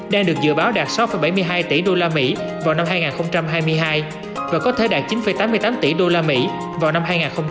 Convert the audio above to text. đang được dự báo đạt sáu bảy mươi hai tỷ usd vào năm hai nghìn hai mươi hai và có thể đạt chín tám mươi tám tỷ usd vào năm hai nghìn hai mươi